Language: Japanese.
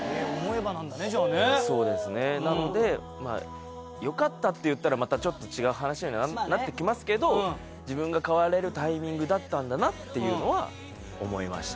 なので「よかった」って言ったらまたちょっと違う話にはなってきますけど自分が変われるタイミングだったんだなっていうのは思いました。